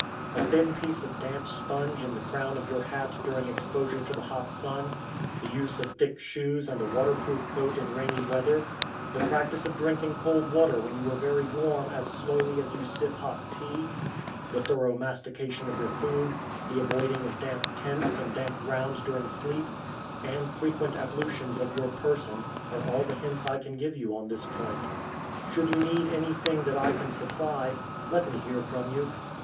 A thin piece of damp sponge in the crown of your hat during exposure to the hot sun, the use of thick shoes and a water proof coat in rainy weather, the practice of drinking cold water when you are very warm as slowly as you sip hot tea, the thorough mastication of your food, the avoiding of damp tents and damp grounds during sleep, and frequent ablutions of your person are all the hints I can give you on this point. Should you need anything that I can supply, let me hear from you.